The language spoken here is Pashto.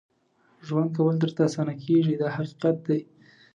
ژوند کول درته اسانه کېږي دا حقیقت دی.